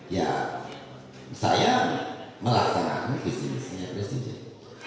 ya saya melaksanakan visi misinya presiden